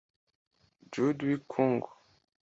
Judi Wakhungu